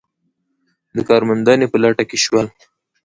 د کار موندنې په لټه کې شول.